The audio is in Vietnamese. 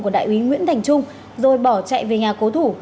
của đại úy nguyễn thành trung rồi bỏ chạy về nhà cố thủ